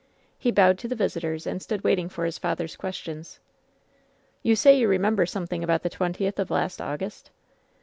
He bowed to the visitors and stood waiting for his father's questions. "You say you remember something about the twen tieth of last August